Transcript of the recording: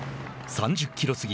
３０キロ過ぎ。